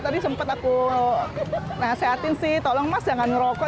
tadi sempat aku nasehatin sih tolong mas jangan merokok